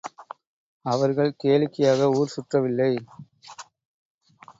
அவர்கள் கேளிக்கையாக ஊர் சுற்றவில்லை.